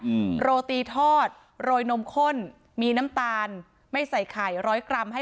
อืมโรตีทอดโรยนมข้นมีน้ำตาลไม่ใส่ไข่ร้อยกรัมให้